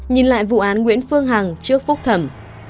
nhìn lại vụ án nguyễn phương hằng trước phúc thẩm